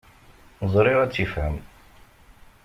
Ẓriɣ ad tt-ifhem.